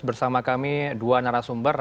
bersama kami dua narasumber